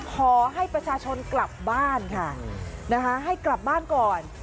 ขอให้ประชาชนกลับบ้านค่ะนะคะให้กลับบ้านก่อน